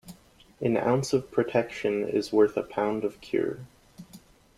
An ounce of protection is worth a pound of cure.